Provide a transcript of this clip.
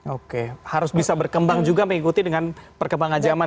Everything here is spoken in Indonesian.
oke harus bisa berkembang juga mengikuti dengan perkembangan zaman